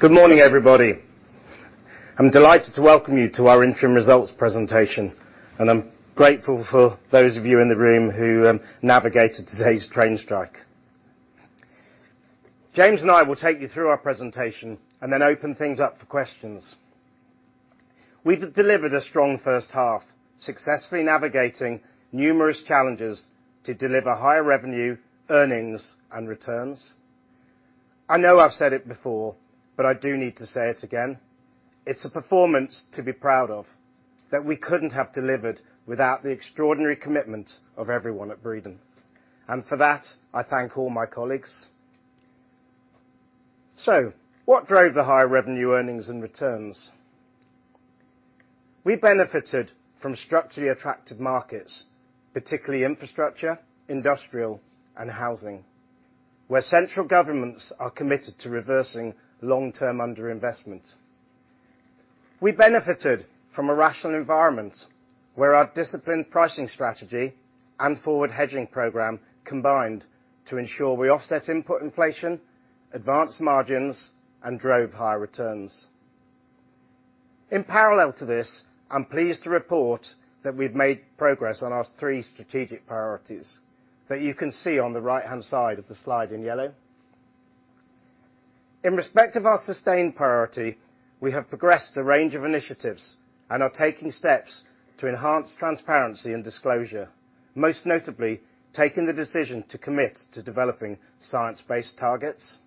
Good morning, everybody. I'm delighted to welcome you to our interim results presentation, and I'm grateful for those of you in the room who navigated today's train strike. James and I will take you through our presentation and then open things up for questions. We've delivered a strong first half, successfully navigating numerous challenges to deliver higher revenue, earnings, and returns. I know I've said it before, but I do need to say it again. It's a performance to be proud of that we couldn't have delivered without the extraordinary commitment of everyone at Breedon, and for that, I thank all my colleagues. What drove the higher revenue, earnings, and returns? We benefited from structurally attractive markets, particularly infrastructure, industrial, and housing, where central governments are committed to reversing long-term underinvestment. We benefited from a rational environment where our disciplined pricing strategy and forward hedging program combined to ensure we offset input inflation, advanced margins, and drove higher returns. In parallel to this, I'm pleased to report that we've made progress on our three strategic priorities that you can see on the right-hand side of the slide in yellow. In respect of our sustained priority, we have progressed a range of initiatives and are taking steps to enhance transparency and disclosure, most notably, taking the decision to commit to developing science-based targets.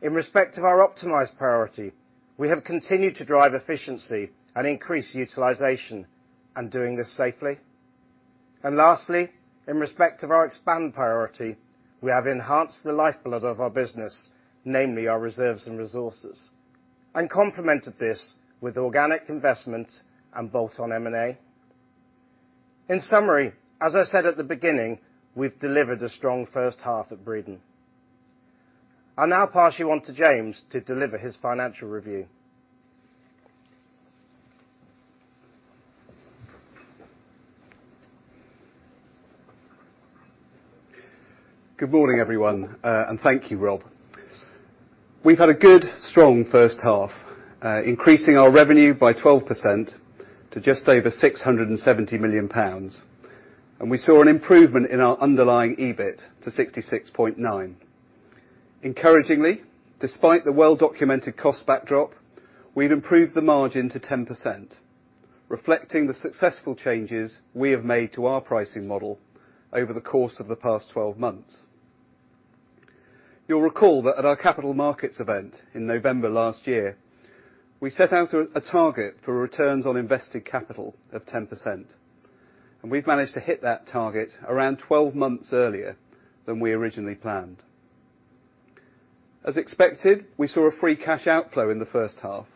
In respect to our optimized priority, we have continued to drive efficiency and increase utilization and doing this safely. Lastly, in respect of our expand priority, we have enhanced the lifeblood of our business, namely our reserves and resources, and complemented this with organic investment and bolt-on M&A. In summary, as I said at the beginning, we've delivered a strong first half at Breedon. I now pass you on to James to deliver his financial review. Good morning, everyone, and thank you, Rob. We've had a good strong first half, increasing our revenue by 12% to just over 670 million pounds, and we saw an improvement in our underlying EBIT to 66.9 million. Encouragingly, despite the well-documented cost backdrop, we've improved the margin to 10%, reflecting the successful changes we have made to our pricing model over the course of the past 12 months. You'll recall that at our Capital Markets event in November last year, we set out a target for returns on invested capital of 10%, and we've managed to hit that target around 12 months earlier than we originally planned. As expected, we saw a free cash outflow in the first half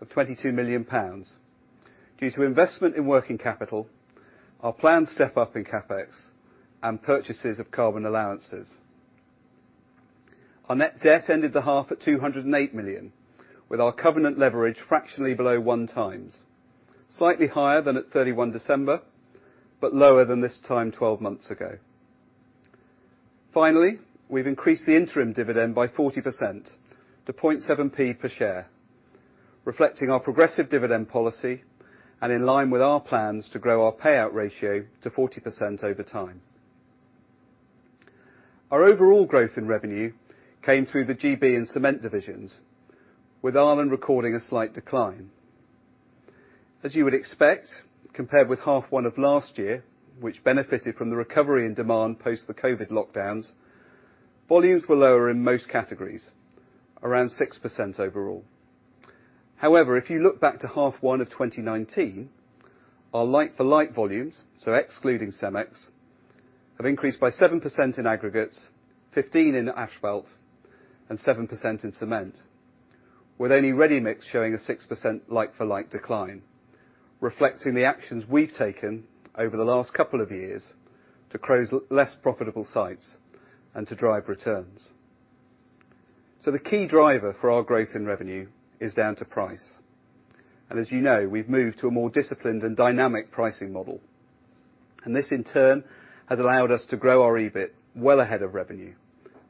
of 22 million pounds due to investment in working capital, our planned step-up in CapEx, and purchases of carbon allowances. Our net debt ended the half at 208 million, with our covenant leverage fractionally below 1x, slightly higher than at 31 December, but lower than this time 12 months ago. We've increased the interim dividend by 40% to 0.007 per share, reflecting our progressive dividend policy and in line with our plans to grow our payout ratio to 40% over time. Our overall growth in revenue came through the GB and Cement divisions, with Ireland recording a slight decline. As you would expect, compared with half one of last year, which benefited from the recovery in demand post the COVID lockdowns, volumes were lower in most categories, around 6% overall. However, if you look back to H1 2019, our like-for-like volumes, so excluding Cemex, have increased by 7% in aggregates, 15% in asphalt, and 7% in cement, with only ready-mix showing a 6% like-for-like decline, reflecting the actions we've taken over the last couple of years to close less profitable sites and to drive returns. The key driver for our growth in revenue is down to price. As you know, we've moved to a more disciplined and dynamic pricing model, and this in turn has allowed us to grow our EBIT well ahead of revenue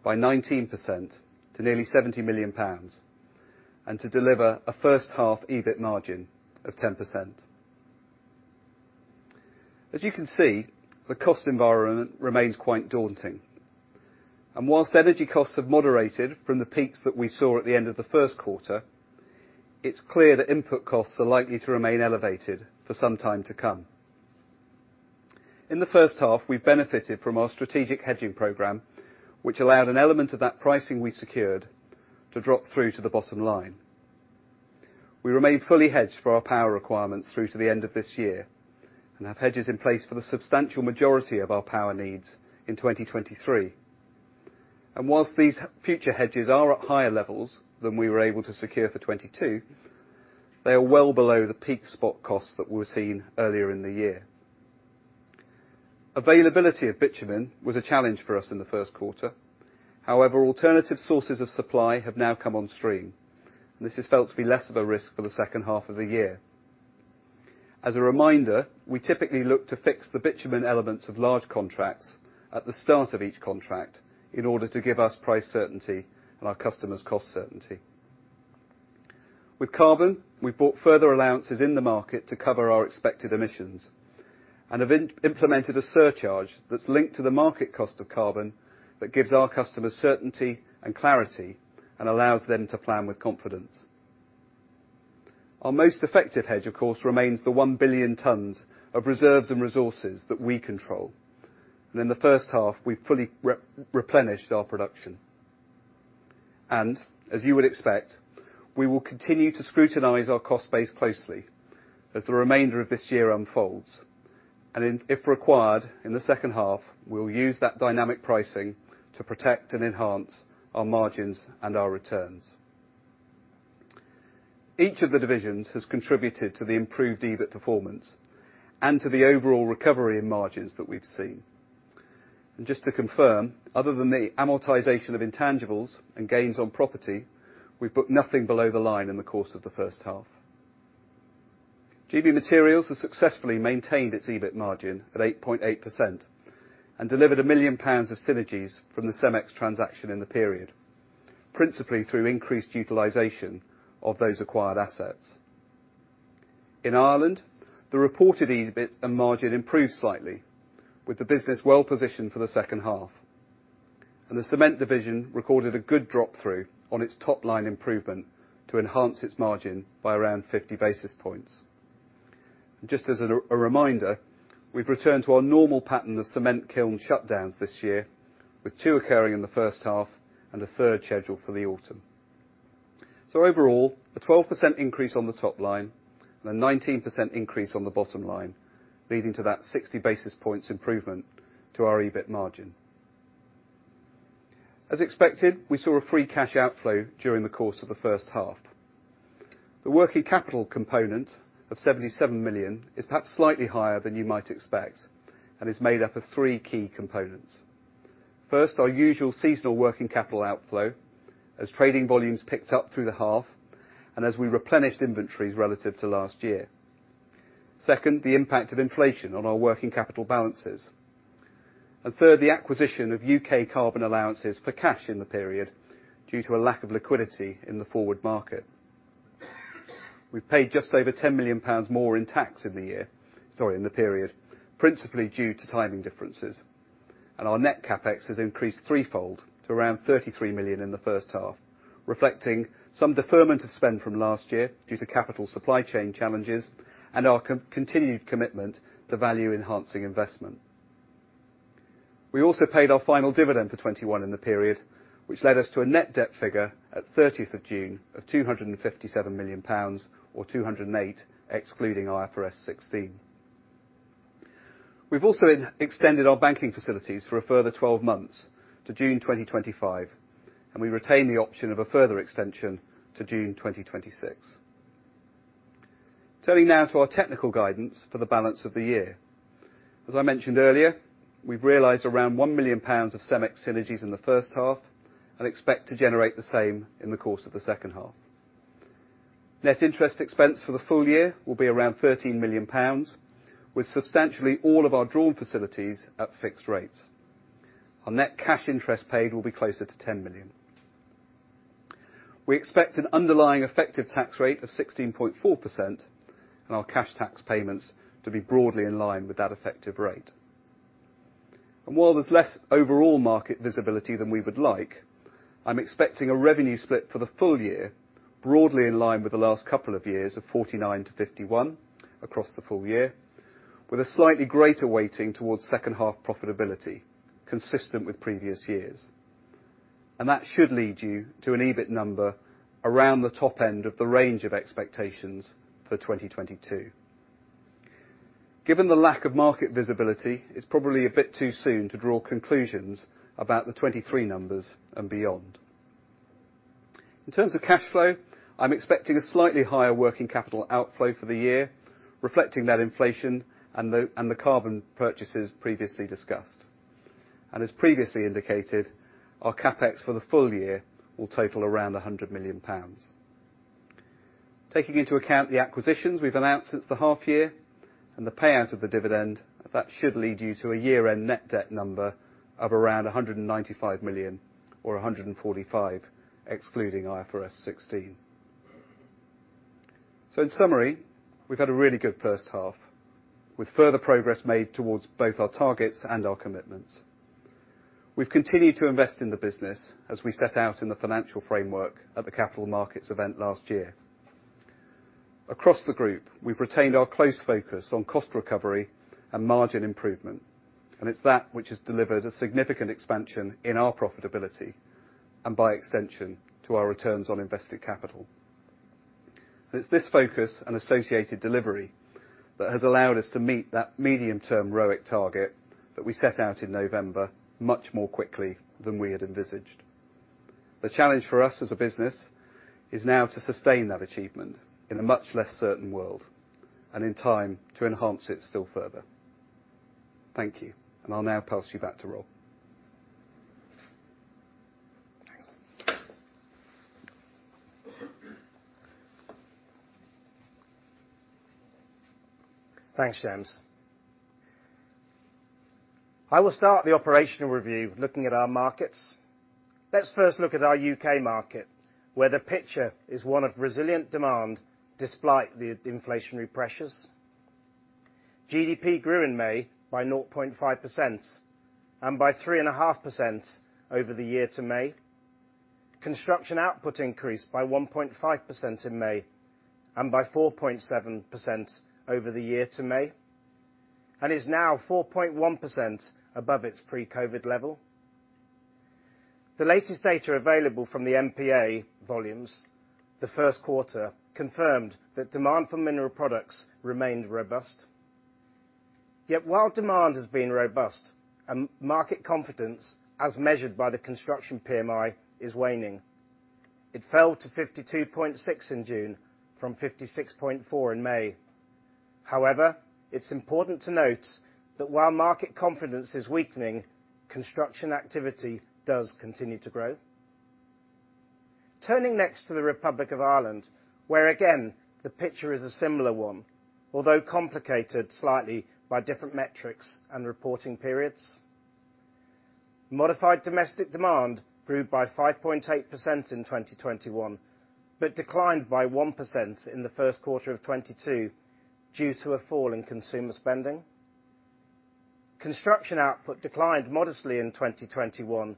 by 19% to nearly 70 million pounds and to deliver a first half EBIT margin of 10%. As you can see, the cost environment remains quite daunting. While energy costs have moderated from the peaks that we saw at the end of the first quarter, it's clear that input costs are likely to remain elevated for some time to come. In the first half, we benefited from our strategic hedging program, which allowed an element of that pricing we secured to drop through to the bottom line. We remain fully hedged for our power requirements through to the end of this year and have hedges in place for the substantial majority of our power needs in 2023. While these forward hedges are at higher levels than we were able to secure for 2022, they are well below the peak spot costs that were seen earlier in the year. Availability of bitumen was a challenge for us in the first quarter. However, alternative sources of supply have now come on stream, and this is felt to be less of a risk for the second half of the year. As a reminder, we typically look to fix the bitumen elements of large contracts at the start of each contract in order to give us price certainty and our customers cost certainty. With carbon, we've bought further allowances in the market to cover our expected emissions and have implemented a surcharge that's linked to the market cost of carbon that gives our customers certainty and clarity and allows them to plan with confidence. Our most effective hedge, of course, remains the 1 billion tons of reserves and resources that we control. In the first half, we fully replenished our production. As you would expect, we will continue to scrutinize our cost base closely as the remainder of this year unfolds. If required in the second half, we'll use that dynamic pricing to protect and enhance our margins and our returns. Each of the divisions has contributed to the improved EBIT performance and to the overall recovery in margins that we've seen. Just to confirm, other than the amortization of intangibles and gains on property, we've put nothing below the line in the course of the first half. GB Materials has successfully maintained its EBIT margin at 8.8% and delivered 1 million pounds of synergies from the Cemex transaction in the period, principally through increased utilization of those acquired assets. In Ireland, the reported EBIT and margin improved slightly, with the business well-positioned for the second half. The cement division recorded a good drop-through on its top line improvement to enhance its margin by around 50 basis points. Just as a reminder, we've returned to our normal pattern of cement kiln shutdowns this year, with two occurring in the first half and a third scheduled for the autumn. Overall, a 12% increase on the top line and a 19% increase on the bottom line, leading to that 60 basis points improvement to our EBIT margin. As expected, we saw a free cash outflow during the course of the first half. The working capital component of 77 million is perhaps slightly higher than you might expect and is made up of three key components. First, our usual seasonal working capital outflow as trading volumes picked up through the half and as we replenished inventories relative to last year. Second, the impact of inflation on our working capital balances. Third, the acquisition of U.K. carbon allowances for cash in the period due to a lack of liquidity in the forward market. We paid just over 10 million pounds more in tax in the year, sorry, in the period, principally due to timing differences. Our net CapEx has increased threefold to around 33 million in the first half, reflecting some deferment of spend from last year due to capital supply chain challenges and our continued commitment to value-enhancing investment. We also paid our final dividend for 2021 in the period, which led us to a net debt figure at 30th of June of 257 million pounds or 208 million excluding IFRS 16. We've also extended our banking facilities for a further 12 months to June 2025, and we retain the option of a further extension to June 2026. Turning now to our technical guidance for the balance of the year. As I mentioned earlier, we've realized around 1 million pounds of Cemex synergies in the first half and expect to generate the same in the course of the second half. Net interest expense for the full year will be around 13 million pounds, with substantially all of our drawn facilities at fixed rates. Our net cash interest paid will be closer to 10 million. We expect an underlying effective tax rate of 16.4% and our cash tax payments to be broadly in line with that effective rate. While there's less overall market visibility than we would like, I'm expecting a revenue split for the full year, broadly in line with the last couple of years of 49%-51% across the full year, with a slightly greater weighting towards second half profitability consistent with previous years. That should lead you to an EBIT number around the top end of the range of expectations for 2022. Given the lack of market visibility, it's probably a bit too soon to draw conclusions about the 2023 numbers and beyond. In terms of cash flow, I'm expecting a slightly higher working capital outflow for the year, reflecting that inflation and the carbon purchases previously discussed. As previously indicated, our CapEx for the full year will total around 100 million pounds. Taking into account the acquisitions we've announced since the half year and the payout of the dividend, that should lead you to a year-end net debt number of around 195 million or 145 million, excluding IFRS 16. In summary, we've had a really good first half, with further progress made towards both our targets and our commitments. We've continued to invest in the business as we set out in the financial framework at the Capital Markets event last year. Across the group, we've retained our close focus on cost recovery and margin improvement, and it's that which has delivered a significant expansion in our profitability and by extension, to our returns on invested capital. It's this focus and associated delivery that has allowed us to meet that medium-term ROIC target that we set out in November much more quickly than we had envisaged. The challenge for us as a business is now to sustain that achievement in a much less certain world and in time to enhance it still further. Thank you. I'll now pass you back to Rob. Thanks, James. I will start the operational review looking at our markets. Let's first look at our U.K. market, where the picture is one of resilient demand despite the inflationary pressures. GDP grew in May by 0.5% and by 3.5% over the year to May. Construction output increased by 1.5% in May and by 4.7% over the year to May, and is now 4.1% above its pre-COVID level. The latest data available from the MPA volumes, the first quarter, confirmed that demand for mineral products remained robust. Yet while demand has been robust, market confidence as measured by the construction PMI is waning. It fell to 52.6 in June from 56.4 in May. However, it's important to note that while market confidence is weakening, construction activity does continue to grow. Turning next to the Republic of Ireland, where again the picture is a similar one, although complicated slightly by different metrics and reporting periods. Modified domestic demand grew by 5.8% in 2021, but declined by 1% in the first quarter of 2022 due to a fall in consumer spending. Construction output declined modestly in 2021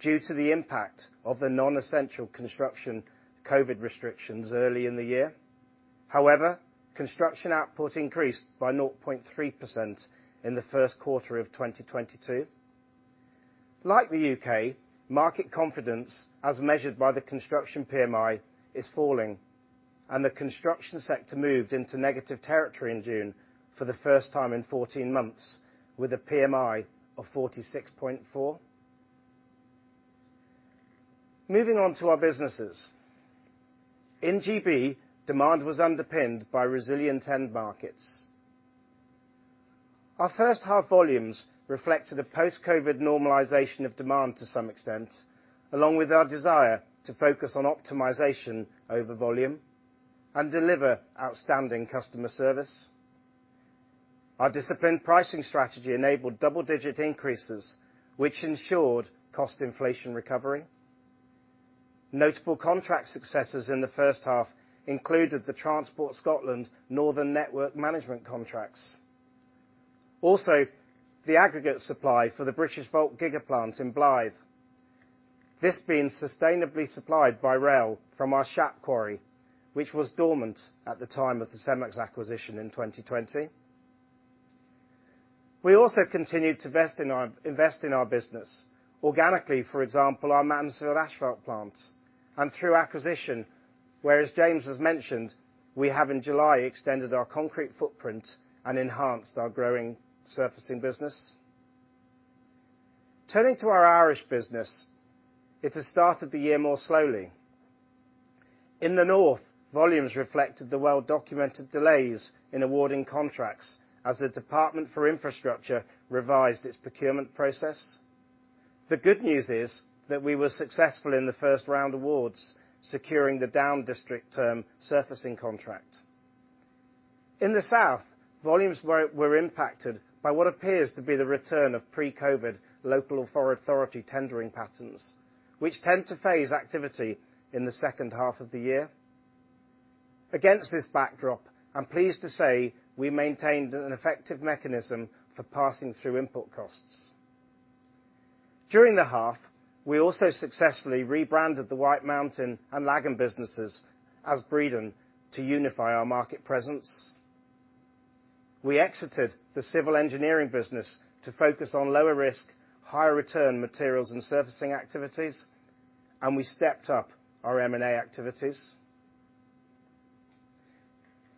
due to the impact of the non-essential construction COVID restrictions early in the year. However, construction output increased by 0.3% in the first quarter of 2022. Like the U.K., market confidence as measured by the construction PMI is falling, and the construction sector moved into negative territory in June for the first time in 14 months with a PMI of 46.4. Moving on to our businesses. In GB, demand was underpinned by resilient end markets. Our first half volumes reflected a post-COVID normalization of demand to some extent, along with our desire to focus on optimization over volume and deliver outstanding customer service. Our disciplined pricing strategy enabled double-digit increases, which ensured cost inflation recovery. Notable contract successes in the first half included the Transport Scotland northern network management contracts. Also, the aggregate supply for the Britishvolt gigafactory in Blyth. This being sustainably supplied by rail from our Shap Quarry, which was dormant at the time of the Cemex acquisition in 2020. We also continued to invest in our business organically, for example, our Mansfield asphalt plant, and through acquisition, where, as James has mentioned, we have in July extended our concrete footprint and enhanced our growing surfacing business. Turning to our Irish business, it has started the year more slowly. In the North, volumes reflected the well-documented delays in awarding contracts as the Department for Infrastructure revised its procurement process. The good news is that we were successful in the first-round awards, securing the Down District Term surfacing contract. In the South, volumes were impacted by what appears to be the return of pre-COVID local authority tendering patterns, which tend to phase activity in the second half of the year. Against this backdrop, I'm pleased to say we maintained an effective mechanism for passing through input costs. During the half, we also successfully rebranded the Whitemountain and Lagan businesses as Breedon to unify our market presence. We exited the civil engineering business to focus on lower risk, higher return materials and surfacing activities, and we stepped up our M&A activities.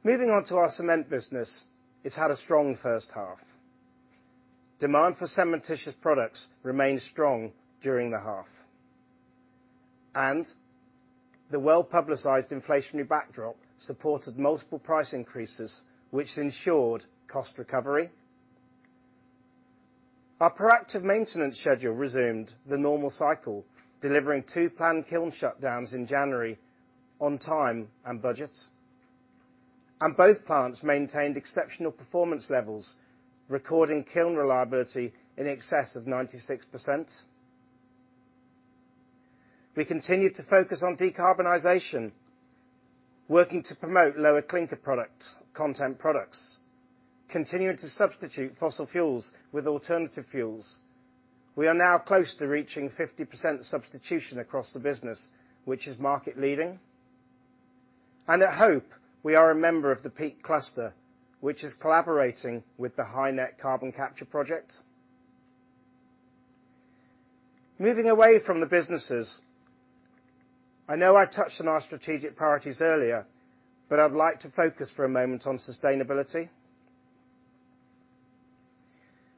Moving on to our cement business, it's had a strong first half. Demand for cementitious products remained strong during the half. The well-publicized inflationary backdrop supported multiple price increases, which ensured cost recovery. Our proactive maintenance schedule resumed the normal cycle, delivering two planned kiln shutdowns in January on time and budget. Both plants maintained exceptional performance levels, recording kiln reliability in excess of 96%. We continued to focus on decarbonization, working to promote lower clinker content products, continuing to substitute fossil fuels with alternative fuels. We are now close to reaching 50% substitution across the business, which is market leading. At Hope, we are a member of the Peak Cluster, which is collaborating with the HyNet carbon capture project. Moving away from the businesses, I know I touched on our strategic priorities earlier, but I'd like to focus for a moment on sustainability.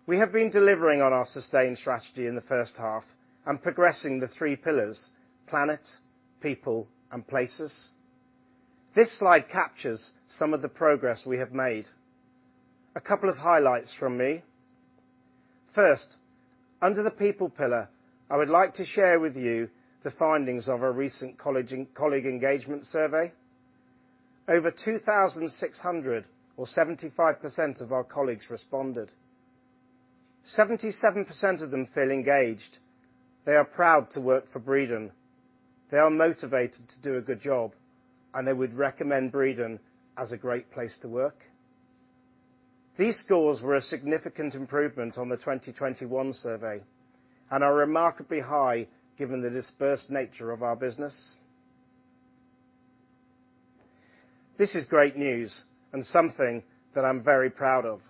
We have been delivering on our sustained strategy in the first half and progressing the three pillars: planet, people, and places. This slide captures some of the progress we have made. A couple of highlights from me. First, under the people pillar, I would like to share with you the findings of our recent colleague engagement survey. Over 2,600, or 75% of our colleagues responded. 77% of them feel engaged. They are proud to work for Breedon. They are motivated to do a good job, and they would recommend Breedon as a great place to work. These scores were a significant improvement on the 2021 survey and are remarkably high given the dispersed nature of our business. This is great news and something that I'm very proud of.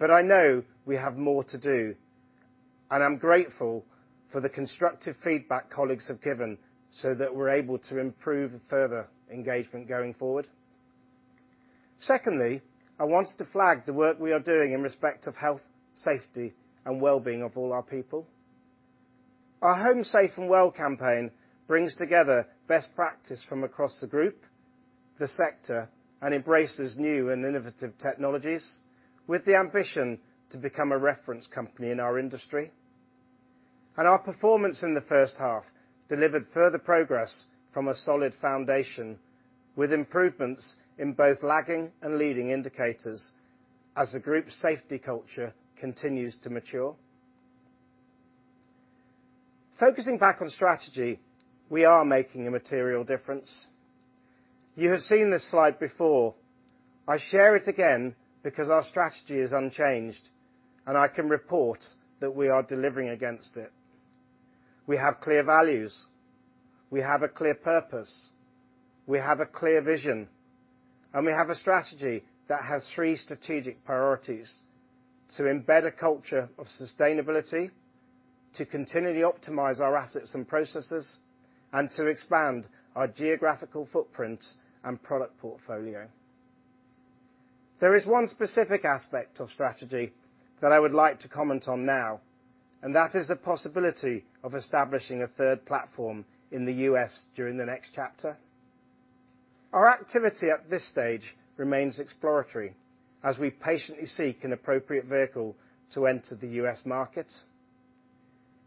I know we have more to do, and I'm grateful for the constructive feedback colleagues have given so that we're able to improve further engagement going forward. Secondly, I want to flag the work we are doing in respect of health, safety, and well-being of all our people. Our Home Safe and Well campaign brings together best practice from across the group, the sector, and embraces new and innovative technologies with the ambition to become a reference company in our industry. Our performance in the first half delivered further progress from a solid foundation, with improvements in both lagging and leading indicators as the group's safety culture continues to mature. Focusing back on strategy, we are making a material difference. You have seen this slide before. I share it again because our strategy is unchanged, and I can report that we are delivering against it. We have clear values, we have a clear purpose, we have a clear vision, and we have a strategy that has three strategic priorities, to embed a culture of sustainability, to continually optimize our assets and processes, and to expand our geographical footprint and product portfolio. There is one specific aspect of strategy that I would like to comment on now, and that is the possibility of establishing a third platform in the U.S. during the next chapter. Our activity at this stage remains exploratory as we patiently seek an appropriate vehicle to enter the U.S. market.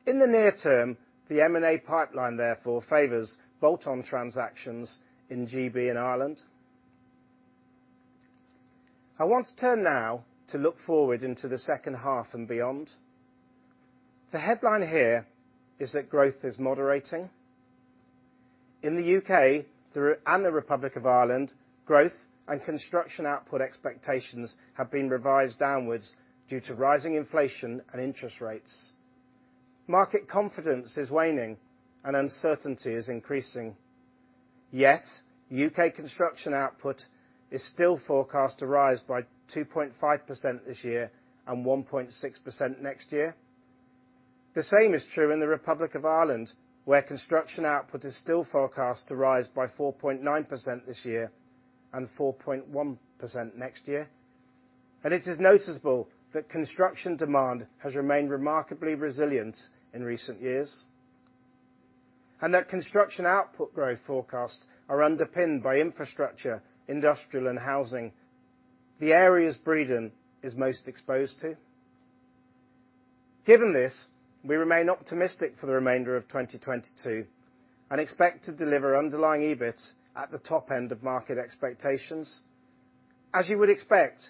In the near term, the M&A pipeline therefore favors bolt-on transactions in GB and Ireland. I want to turn now to look forward into the second half and beyond. The headline here is that growth is moderating. In the U.K. and the Republic of Ireland, growth and construction output expectations have been revised downwards due to rising inflation and interest rates. Market confidence is waning and uncertainty is increasing. Yet, U.K. construction output is still forecast to rise by 2.5% this year and 1.6% next year. The same is true in the Republic of Ireland, where construction output is still forecast to rise by 4.9% this year and 4.1% next year. It is noticeable that construction demand has remained remarkably resilient in recent years, and that construction output growth forecasts are underpinned by infrastructure, industrial, and housing, the areas Breedon is most exposed to. Given this, we remain optimistic for the remainder of 2022 and expect to deliver underlying EBIT at the top end of market expectations. As you would expect,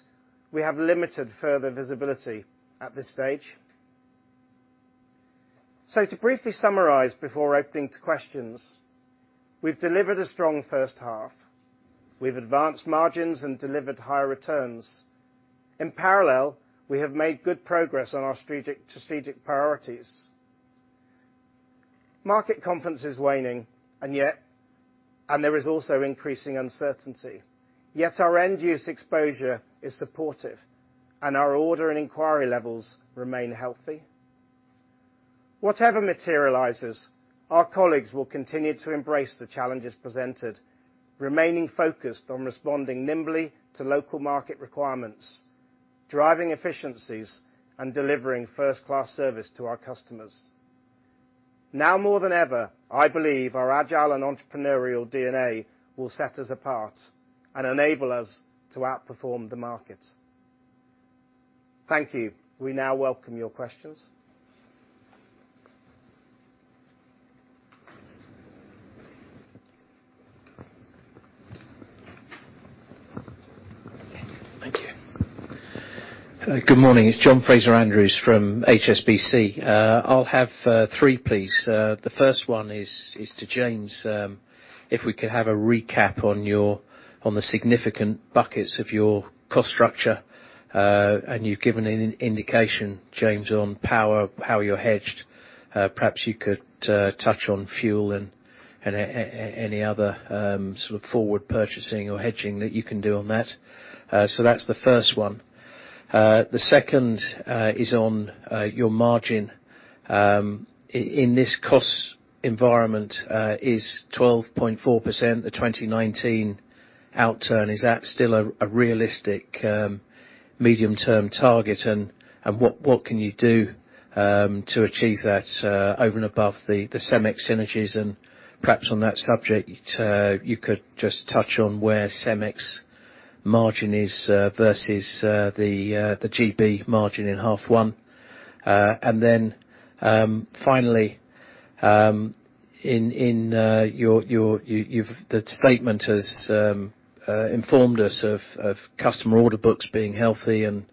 we have limited further visibility at this stage. To briefly summarize before opening to questions, we've delivered a strong first half. We've advanced margins and delivered higher returns. In parallel, we have made good progress on our strategic priorities. Market confidence is waning, and yet, and there is also increasing uncertainty. Yet our end-use exposure is supportive, and our order and inquiry levels remain healthy. Whatever materializes, our colleagues will continue to embrace the challenges presented, remaining focused on responding nimbly to local market requirements, driving efficiencies, and delivering first-class service to our customers. Now more than ever, I believe our agile and entrepreneurial DNA will set us apart and enable us to outperform the market. Thank you. We now welcome your questions. Thank you. Good morning. It's John Fraser-Andrews from HSBC. I'll have three, please. The first one is to James. If we could have a recap on the significant buckets of your cost structure. You've given an indication, James, on power, how you're hedged. Perhaps you could touch on fuel and any other sort of forward purchasing or hedging that you can do on that. So that's the first one. The second is on your margin. In this cost environment, is 12.4%, the 2019 outturn, still a realistic medium-term target? What can you do to achieve that, over and above the Cemex synergies, and perhaps on that subject, you could just touch on where Cemex margin is versus the GB margin in half one. Finally, the statement has informed us of customer order books being healthy and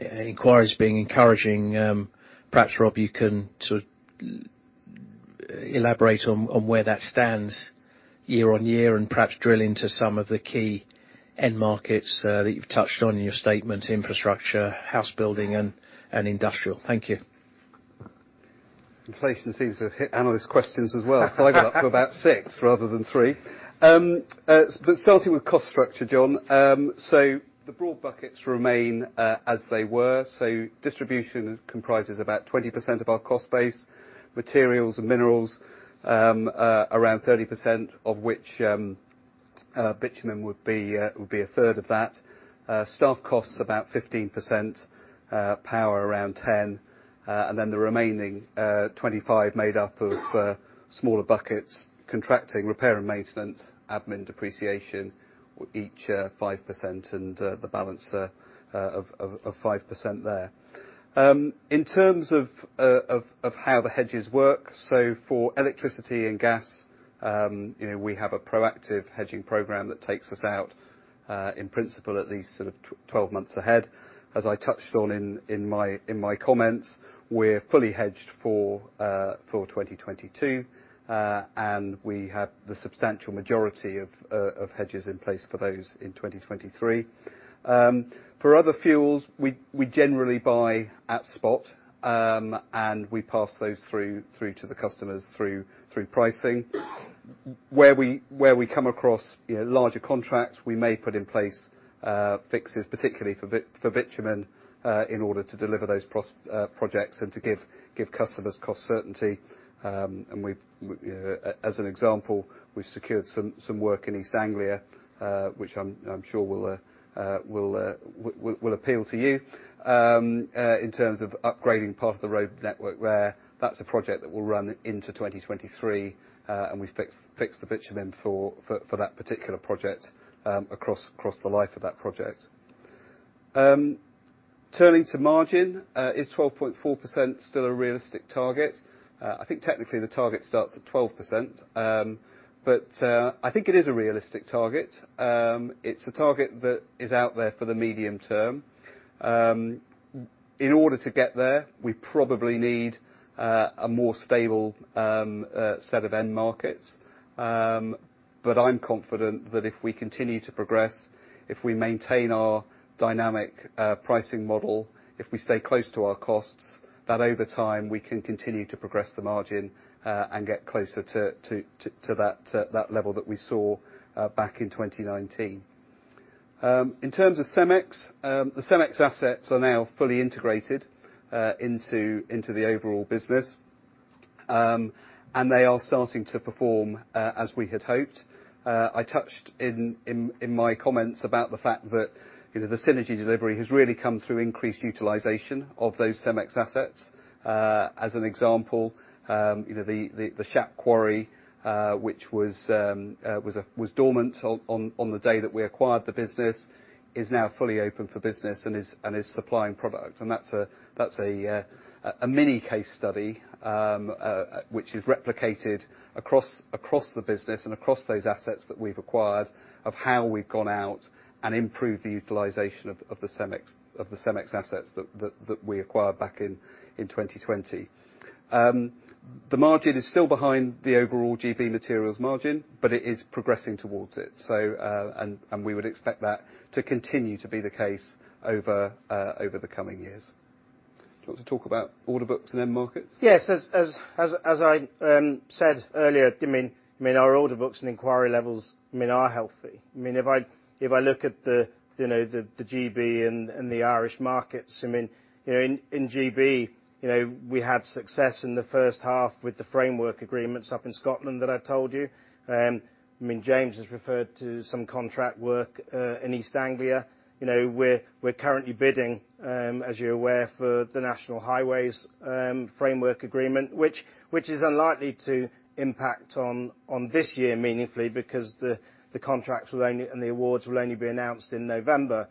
inquiries being encouraging. Perhaps, Rob, you can sort of elaborate on where that stands year-over-year, and perhaps drill into some of the key end markets that you've touched on in your statement, infrastructure, house building, and industrial. Thank you. Inflation seems to have hit analyst questions as well. I've got about six rather than three. Starting with cost structure, John. The broad buckets remain as they were. Distribution comprises about 20% of our cost base. Materials and minerals around 30% of which bitumen would be a third of that. Staff costs about 15%. Power around 10%. Then the remaining 25% made up of smaller buckets, contracting, repair and maintenance, admin, depreciation, each 5%, and the balance of 5% there. In terms of how the hedges work, for electricity and gas, you know, we have a proactive hedging program that takes us out in principle at least sort of 12 months ahead. As I touched on in my comments, we're fully hedged for 2022. We have the substantial majority of hedges in place for those in 2023. For other fuels, we generally buy at spot, and we pass those through to the customers through pricing. Where we come across, you know, larger contracts, we may put in place fixes, particularly for bitumen, in order to deliver those projects and to give customers cost certainty. You know, as an example, we've secured some work in East Anglia, which I'm sure will appeal to you, in terms of upgrading part of the road network there. That's a project that will run into 2023, and we fixed the bitumen for that particular project across the life of that project. Turning to margin, is 12.4% still a realistic target? I think technically the target starts at 12%. I think it is a realistic target. It's a target that is out there for the medium term. In order to get there, we probably need a more stable set of end markets. I'm confident that if we continue to progress, if we maintain our dynamic pricing model, if we stay close to our costs, that over time we can continue to progress the margin and get closer to that level that we saw back in 2019. In terms of Cemex, the Cemex assets are now fully integrated into the overall business. They are starting to perform as we had hoped. I touched on it in my comments about the fact that, you know, the synergy delivery has really come through increased utilization of those Cemex assets. As an example, you know, the Shap Quarry, which was dormant on the day that we acquired the business, is now fully open for business and is supplying product. That's a mini case study which is replicated across the business and across those assets that we've acquired of how we've gone out and improved the utilization of the Cemex assets that we acquired back in 2020. The margin is still behind the overall GB Materials margin, but it is progressing towards it. We would expect that to continue to be the case over the coming years. Do you want to talk about order books and end markets? Yes. As I said earlier, I mean, our order books and inquiry levels, I mean, are healthy. I mean, if I look at the, you know, the GB and the Irish markets, I mean, you know, in GB, you know, we had success in the first half with the framework agreements up in Scotland that I told you. I mean, James has referred to some contract work in East Anglia. You know, we're currently bidding, as you're aware, for the National Highways framework agreement, which is unlikely to impact on this year meaningfully because the contracts will only, and the awards will only be announced in November.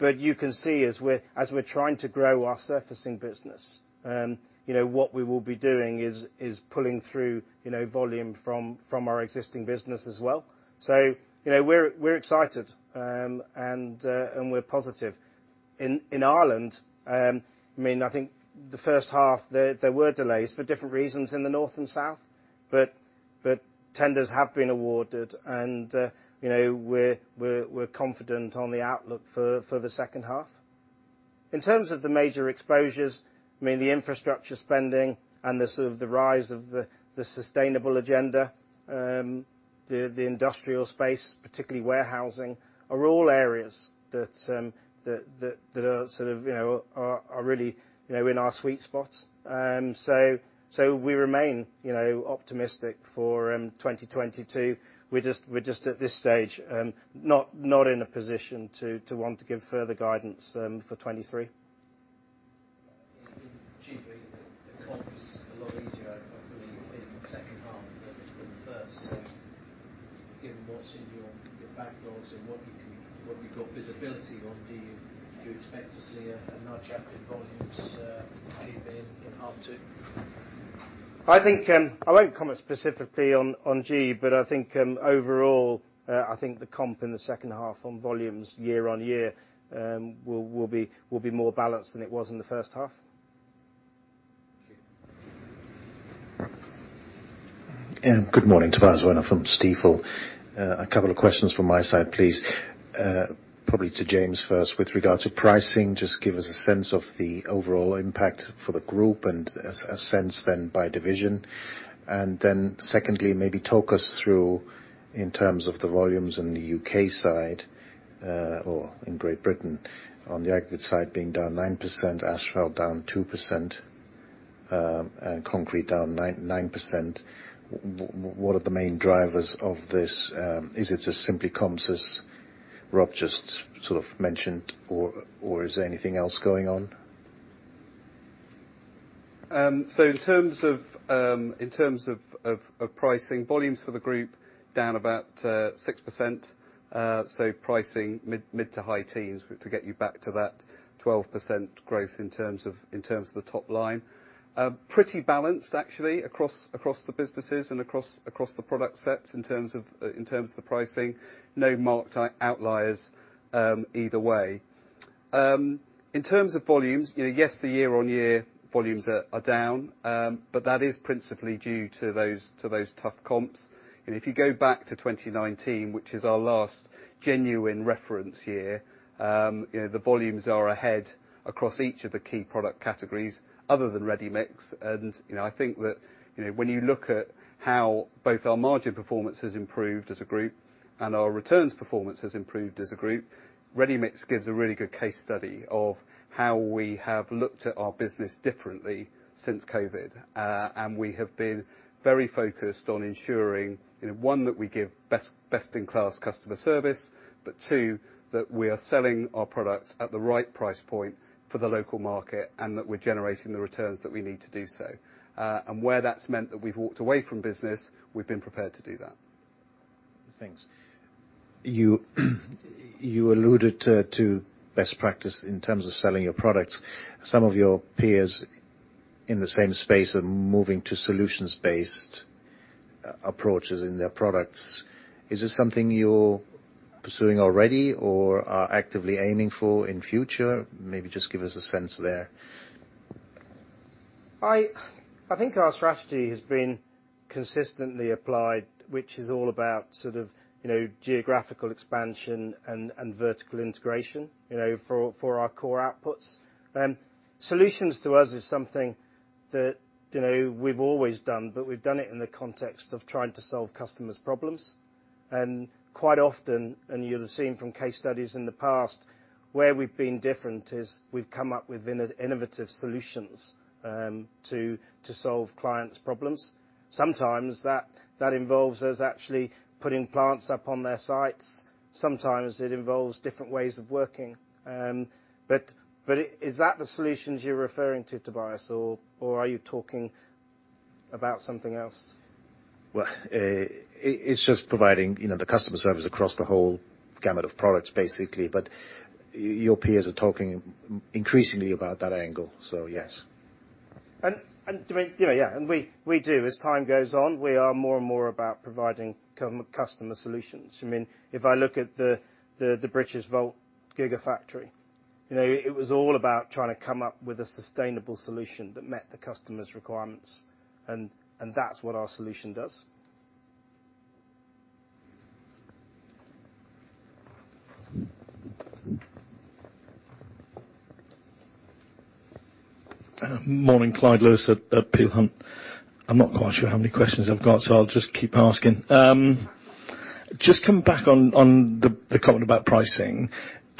You can see as we're trying to grow our surfacing business, you know, what we will be doing is pulling through, you know, volume from our existing business as well. You know, we're excited and we're positive. In Ireland, I mean, I think the first half there were delays for different reasons in the north and south. Tenders have been awarded and, you know, we're confident on the outlook for the second half. In terms of the major exposures, I mean, the infrastructure spending and the sort of rise of the sustainable agenda, the industrial space, particularly warehousing, are all areas that are sort of, you know, are really, you know, in our sweet spot. We remain, you know, optimistic for 2022. We're just at this stage not in a position to want to give further guidance for 2023. In GB, the comps was a lot easier, I believe, in the second half than the first. Given what's in your backlogs and what you've got visibility on, do you expect to see a nudge up in volumes, maybe in half two? I think I won't comment specifically on GB, but I think overall I think the comp in the second half on volumes year-over-year will be more balanced than it was in the first half. Thank you. Good morning. Tobias Woerner from Stifel. A couple of questions from my side, please. Probably to James first with regards to pricing. Just give us a sense of the overall impact for the group and a sense then by division. Secondly, maybe talk us through in terms of the volumes in the U.K. side, or in Great Britain, on the aggregate side being down 9%, asphalt down 2%, and concrete down 9%. What are the main drivers of this? Is it just simply comps, as Rob just sort of mentioned, or is there anything else going on? In terms of pricing, volumes for the group down about 6%. Pricing mid- to high teens to get you back to that 12% growth in terms of the top line. Pretty balanced actually across the businesses and across the product sets in terms of the pricing. No marked outliers either way. In terms of volumes, you know, yes, the year-on-year volumes are down, but that is principally due to those tough comps. If you go back to 2019, which is our last genuine reference year, you know, the volumes are ahead across each of the key product categories other than ready mix. You know, I think that, you know, when you look at how both our margin performance has improved as a group and our returns performance has improved as a group, ready mix gives a really good case study of how we have looked at our business differently since COVID. We have been very focused on ensuring, you know, one, that we give best-in-class customer service, but two, that we are selling our products at the right price point for the local market, and that we're generating the returns that we need to do so. Where that's meant that we've walked away from business, we've been prepared to do that. Thanks. You alluded to best practice in terms of selling your products. Some of your peers in the same space are moving to solutions-based approaches in their products. Is this something you're pursuing already or are actively aiming for in future? Maybe just give us a sense there. I think our strategy has been consistently applied, which is all about sort of, you know, geographical expansion and vertical integration, you know, for our core outputs. Solutions to us is something that, you know, we've always done, but we've done it in the context of trying to solve customers' problems. Quite often, you'll have seen from case studies in the past, where we've been different is we've come up with innovative solutions to solve clients' problems. Sometimes that involves us actually putting plants up on their sites. Sometimes it involves different ways of working. Is that the solutions you're referring to, Tobias, or are you talking about something else? Well, it's just providing, you know, the customer service across the whole gamut of products, basically. Your peers are talking increasingly about that angle. Yes. I mean, you know, yeah, we do. As time goes on, we are more and more about providing customer solutions. I mean, if I look at the Britishvolt gigafactory, you know, it was all about trying to come up with a sustainable solution that met the customer's requirements, and that's what our solution does. Mm-hmm. Morning. Clyde Lewis at Peel Hunt. I'm not quite sure how many questions I've got, so I'll just keep asking. Just come back on the comment about pricing.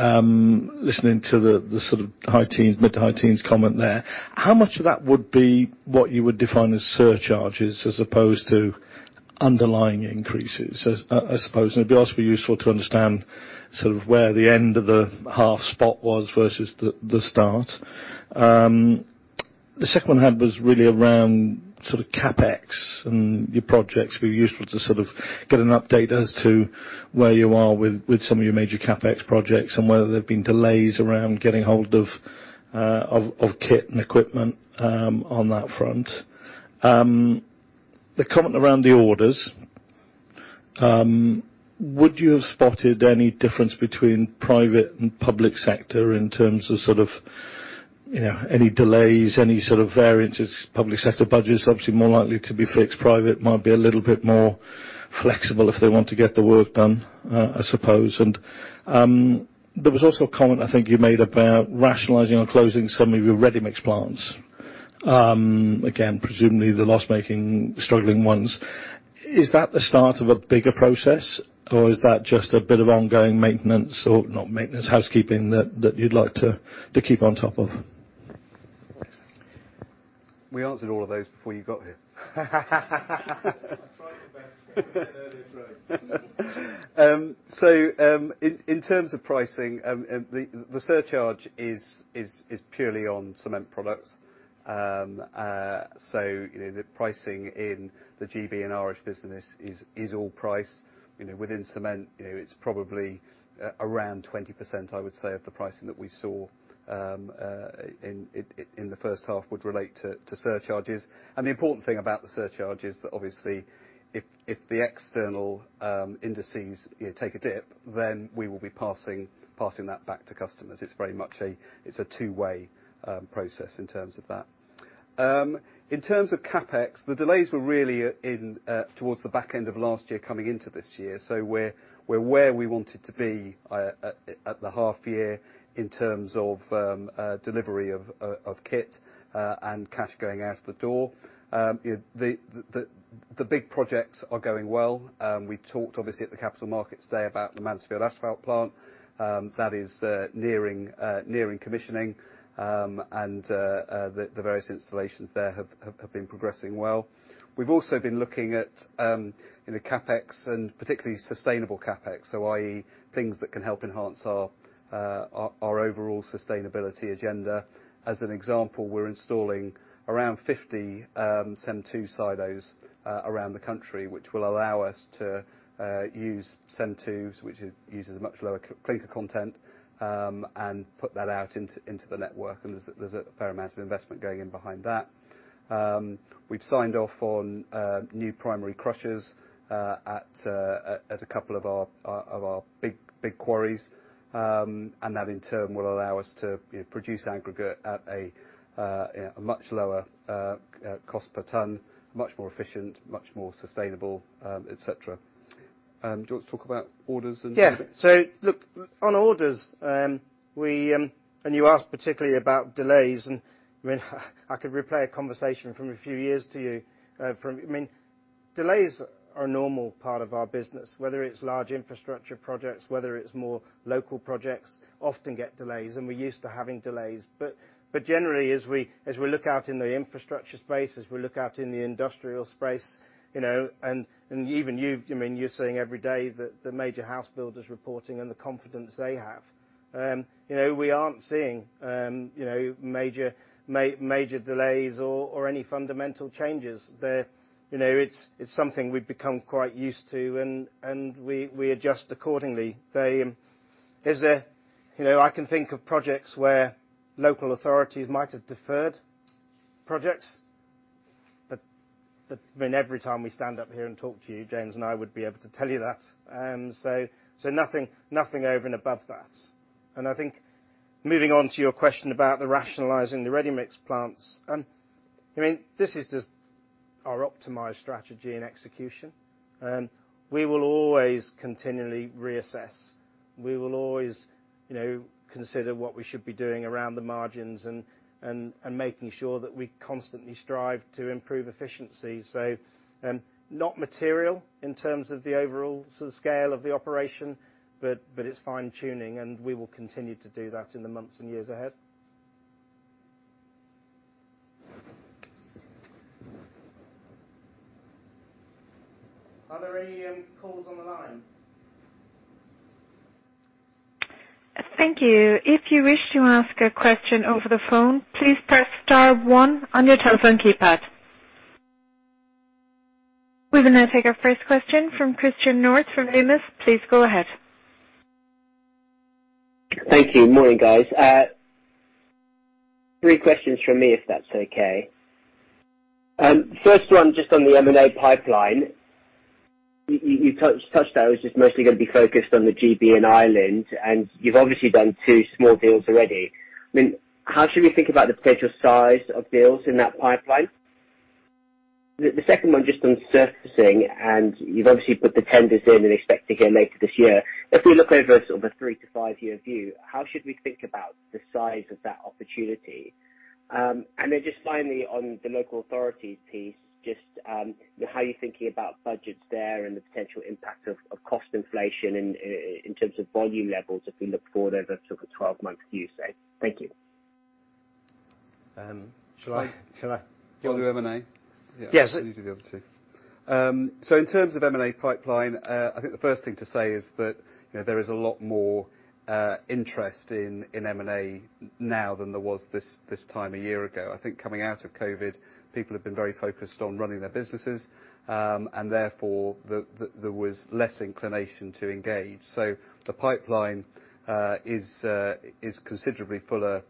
Listening to the sort of high teens, mid to high teens comment there, how much of that would be what you would define as surcharges as opposed to underlying increases, I suppose? And it'd also be useful to understand sort of where the end of the half spot was versus the start. The second one I had was really around sort of CapEx and your projects. It'd be useful to sort of get an update as to where you are with some of your major CapEx projects and whether there've been delays around getting hold of kit and equipment on that front. The comment around the orders, would you have spotted any difference between private and public sector in terms of sort of, you know, any delays, any sort of variances? Public sector budget is obviously more likely to be fixed. Private might be a little bit more flexible if they want to get the work done, I suppose. There was also a comment I think you made about rationalizing or closing some of your ready mix plants. Again, presumably the loss-making, struggling ones. Is that the start of a bigger process, or is that just a bit of ongoing housekeeping that you'd like to keep on top of? We answered all of those before you got here. I tried my best to get there earlier today. In terms of pricing, the surcharge is purely on cement products. You know, the pricing in the GB and Irish business is all price. You know, within cement, you know, it's probably around 20% I would say of the pricing that we saw in the first half would relate to surcharges. The important thing about the surcharge is that obviously if the external indices you know take a dip, then we will be passing that back to customers. It's very much a two-way process in terms of that. In terms of CapEx, the delays were really in towards the back end of last year coming into this year. We're where we wanted to be at the half year in terms of delivery of kit and cash going out the door. You know, the big projects are going well. We talked obviously at the Capital Markets Day about the Mansfield Asphalt plant that is nearing commissioning. The various installations there have been progressing well. We've also been looking at in the CapEx and particularly sustainable CapEx, so i.e. things that can help enhance our overall sustainability agenda. As an example, we're installing around 50 CEM II silos around the country, which will allow us to use CEM II, which uses a much lower clinker content and put that out into the network. There's a fair amount of investment going in behind that. We've signed off on new primary crushers at a couple of our big quarries. That in turn will allow us to, you know, produce aggregate at a much lower cost per ton, much more efficient, much more sustainable, et cetera. Do you want to talk about orders and- Yeah. Look, on orders. You asked particularly about delays, and I mean, I could replay a conversation from a few years to you. I mean, delays are a normal part of our business, whether it's large infrastructure projects, whether it's more local projects, often get delays, and we're used to having delays. Generally, as we look out in the infrastructure space, as we look out in the industrial space, you know, and even you've, I mean, you're seeing every day the major house builders reporting and the confidence they have. You know, we aren't seeing, you know, major delays or any fundamental changes. They're, you know, it's something we've become quite used to, and we adjust accordingly. You know, I can think of projects where local authorities might have deferred projects. I mean, every time we stand up here and talk to you, James and I would be able to tell you that. Nothing over and above that. I think moving on to your question about rationalizing the ready-mixed plants. I mean, this is just our optimized strategy and execution. We will always continually reassess. We will always, you know, consider what we should be doing around the margins and making sure that we constantly strive to improve efficiency. Not material in terms of the overall scale of the operation, but it's fine-tuning, and we will continue to do that in the months and years ahead. Are there any calls on the line? Thank you. If you wish to ask a question over the phone, please press star one on your telephone keypad. We will now take our first question from Christen Hjorth from Numis. Please go ahead. Thank you. Morning, guys. Three questions from me, if that's okay. First one, just on the M&A pipeline. You touched that it was just mostly gonna be focused on the GB and Ireland, and you've obviously done two small deals already. I mean, how should we think about the potential size of deals in that pipeline? The second one just on surfacing, and you've obviously put the tenders in and expect to hear later this year. If we look over sort of a three-to-five-year view, how should we think about the size of that opportunity? Then just finally on the local authority piece, just how are you thinking about budgets there and the potential impact of cost inflation in terms of volume levels, if we look forward over sort of a 12-month view, say? Thank you. Um, shall I- I- Shall I? Go on the M&A. Yes. Yeah, you do the other two. In terms of M&A pipeline, I think the first thing to say is that, you know, there is a lot more interest in M&A now than there was this time a year ago. I think coming out of COVID, people have been very focused on running their businesses. Therefore, there was less inclination to engage. The pipeline is considerably fuller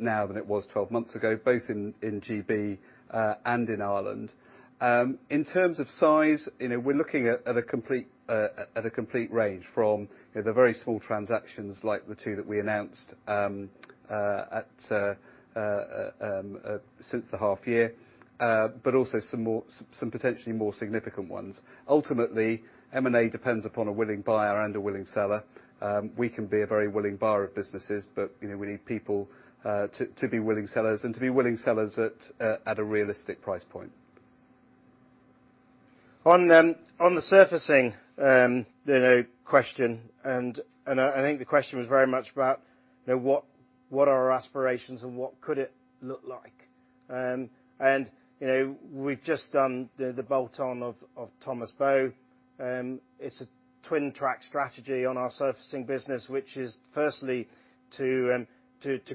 now than it was 12 months ago, both in GB and in Ireland. In terms of size, you know, we're looking at a complete range from, you know, the very small transactions like the two that we announced since the half year, but also some more potentially more significant ones. Ultimately, M&A depends upon a willing buyer and a willing seller. We can be a very willing buyer of businesses, but, you know, we need people to be willing sellers at a realistic price point. On the surfacing, you know, question, and I think the question was very much about, you know, what are our aspirations and what could it look like? You know, we've just done the bolt on of Thomas Bow. It's a twin-track strategy on our surfacing business, which is firstly to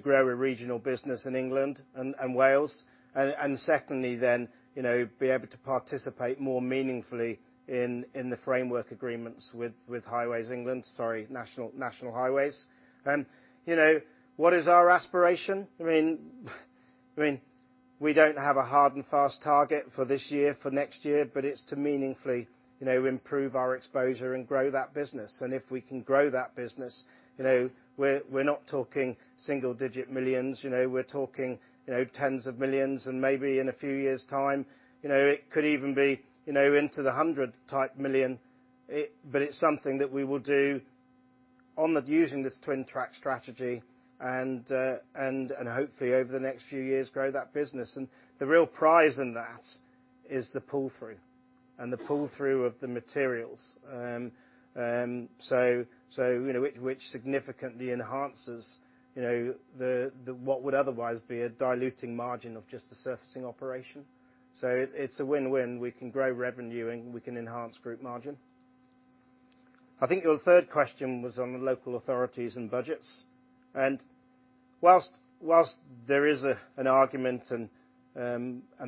grow a regional business in England and Wales. Secondly then, you know, be able to participate more meaningfully in the framework agreements with National Highways. You know, what is our aspiration? I mean, we don't have a hard and fast target for this year, for next year, but it's to meaningfully, you know, improve our exposure and grow that business. If we can grow that business, we're not talking single-digit millions. We're talking tens of millions and maybe in a few years' time, it could even be into the hundred type million. But it's something that we will do using this twin-track strategy, and hopefully over the next few years, grow that business. The real prize in that is the pull through of the materials, which significantly enhances what would otherwise be a diluting margin of just the surfacing operation. It's a win-win. We can grow revenue, and we can enhance group margin. I think your third question was on the local authorities and budgets. While there is an argument, and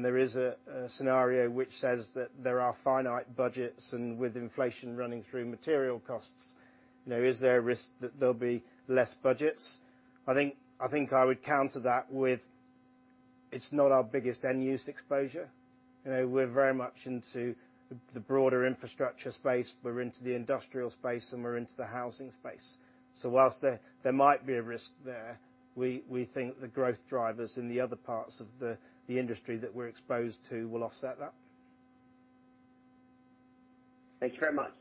there is a scenario which says that there are finite budgets and with inflation running through material costs, you know, is there a risk that there'll be less budgets? I think I would counter that with it's not our biggest end use exposure. You know, we're very much into the broader infrastructure space. We're into the industrial space, and we're into the housing space. While there might be a risk there, we think the growth drivers in the other parts of the industry that we're exposed to will offset that. Thank you very much.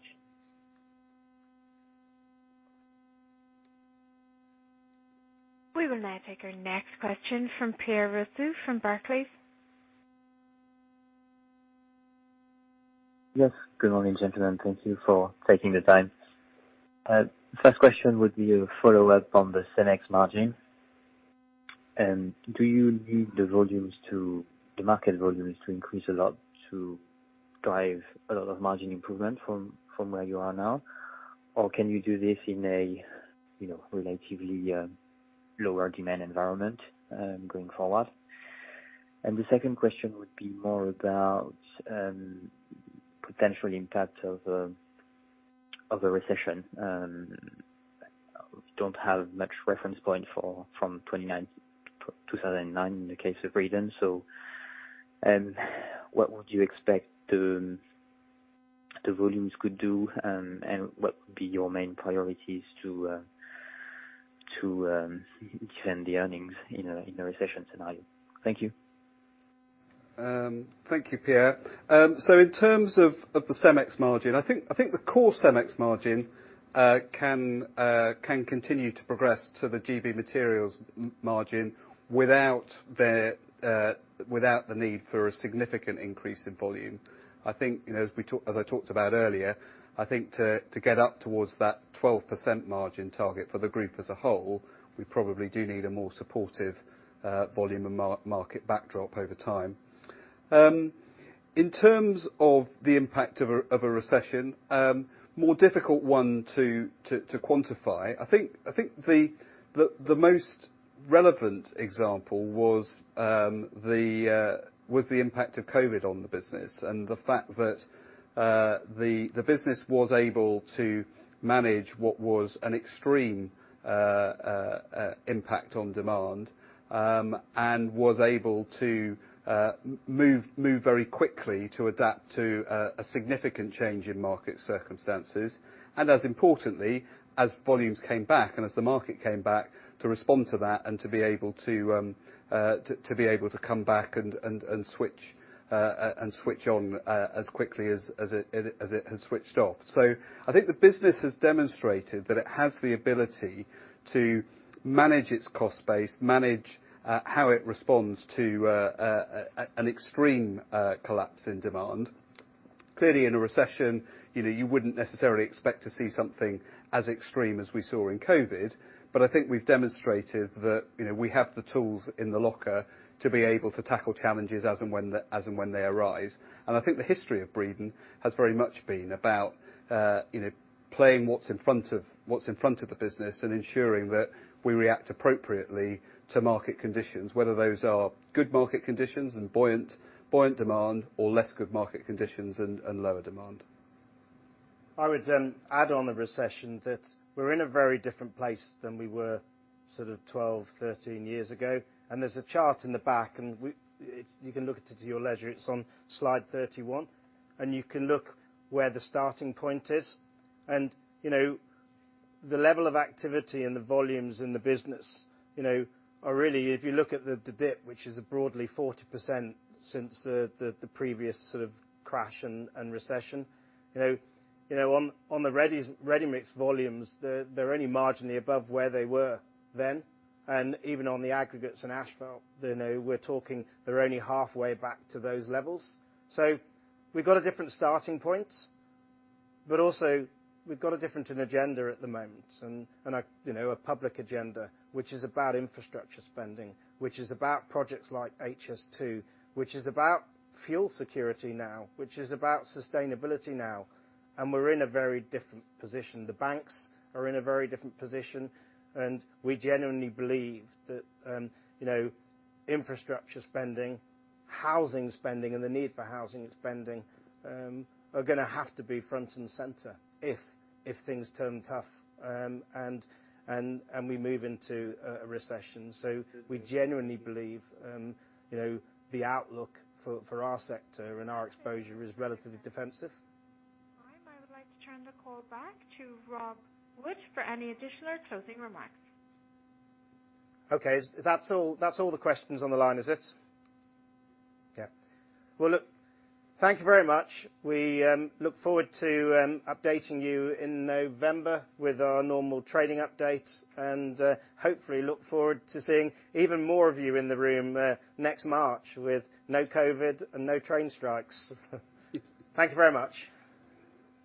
We will now take our next question from Pierre Rousseau from Barclays. Yes. Good morning, gentlemen. Thank you for taking the time. First question would be a follow-up on the Cemex margin. Do you need the volumes, the market volumes to increase a lot to drive a lot of margin improvement from where you are now? Or can you do this in a you know, relatively lower demand environment going forward? The second question would be more about potential impact of the recession. Don't have much reference point for from 2009 in the case of Breedon. What would you expect the volumes could do and what would be your main priorities to defend the earnings in a recession scenario? Thank you. Thank you, Pierre. So in terms of the Cemex margin, I think the core Cemex margin can continue to progress to the GB materials margin without the need for a significant increase in volume. I think, you know, as I talked about earlier, I think to get up towards that 12% margin target for the group as a whole, we probably do need a more supportive volume and market backdrop over time. In terms of the impact of a recession, more difficult one to quantify. I think the most relevant example was the impact of COVID on the business, and the fact that the business was able to manage what was an extreme impact on demand, and was able to move very quickly to adapt to a significant change in market circumstances. As importantly, as volumes came back and as the market came back, to respond to that and to be able to come back and switch and switch on as quickly as it has switched off. I think the business has demonstrated that it has the ability to manage its cost base, manage how it responds to an extreme collapse in demand. Clearly, in a recession, you know, you wouldn't necessarily expect to see something as extreme as we saw in COVID. But I think we've demonstrated that, you know, we have the tools in the locker to be able to tackle challenges as and when they arise. I think the history of Breedon has very much been about, you know, playing what's in front of the business and ensuring that we react appropriately to market conditions. Whether those are good market conditions and buoyant demand or less good market conditions and lower demand. I would add on a recession that we're in a very different place than we were sort of 12, 13 years ago. There's a chart in the back. You can look at it at your leisure. It's on slide 31, and you can look where the starting point is. You know, the level of activity and the volumes in the business, you know, are really, if you look at the dip, which is broadly 40% since the previous sort of crash and recession. You know, on the ready-mix volumes, they're only marginally above where they were then. Even on the aggregates in asphalt, you know, we're talking they're only halfway back to those levels. We've got a different starting point, but also we've got a different agenda at the moment. I, you know, a public agenda, which is about infrastructure spending, which is about projects like HS2, which is about fuel security now, which is about sustainability now, and we're in a very different position. The banks are in a very different position, and we genuinely believe that, you know, infrastructure spending, housing spending, and the need for housing spending, are gonna have to be front and center if things turn tough, and we move into a recession. We genuinely believe, you know, the outlook for our sector and our exposure is relatively defensive. I would like to turn the call back to Rob Wood for any additional closing remarks. Okay. That's all the questions on the line, is it? Yeah. Well, look, thank you very much. We look forward to updating you in November with our normal trading update and hopefully look forward to seeing even more of you in the room next March with no COVID and no train strikes. Thank you very much.